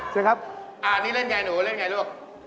เชิญครับอันนี้เล่นไงหนูเล่นไงลูก